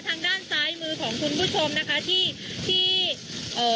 ทางด้านซ้ายมือของคุณผู้ชมนะคะที่ที่เอ่อ